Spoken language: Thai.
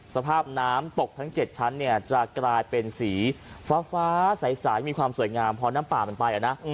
สภาพน้ำตกทั้ง๗ชั้นเนี่ยจะกลายเป็นสีฟ้าใสมีความสวยงามพอน้ำป่ามันไปนะ